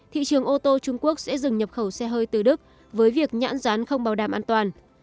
thị trường ô tô trung quốc sẽ dừng nhập khẩu xe hơi từ đức với việc nhãn rán không bảo đảm an toàn